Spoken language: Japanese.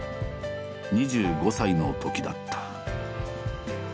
２５歳のときだった。